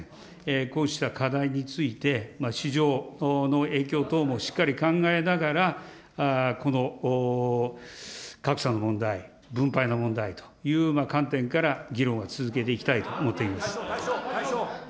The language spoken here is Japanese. こうした課題について、市場の影響等もしっかり考えながら、この格差の問題、分配の問題という観点から議論を続けていきたいと思っています。